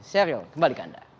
sheryl kembali ke anda